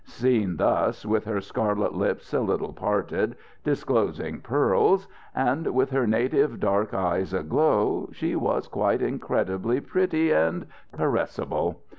Seen thus, with her scarlet lips a little parted disclosing pearls and with her naïve dark eyes aglow, she was quite incredibly pretty and caressable.